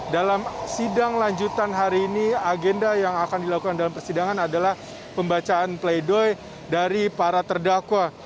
dalam sidang lanjutan hari ini agenda yang akan dilakukan dalam persidangan adalah pembacaan play doh dari para terdakwa